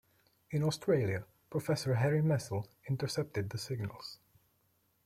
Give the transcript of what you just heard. In Australia, Professor Harry Messel intercepted the signals.